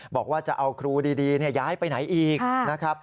บอกว่าจะเอาครูดีย้ายไปไหนอีก